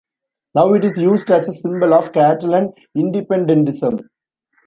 Now it is used as a symbol of Catalan independentism.